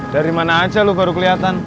dari mana aja lu baru keliatan